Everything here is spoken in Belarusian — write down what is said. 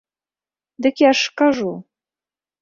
Дык я ж кажу.